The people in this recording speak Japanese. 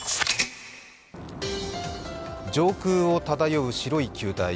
上空を漂う白い球体。